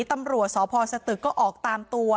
ตำรวจสพสตึกก็ออกตามตัว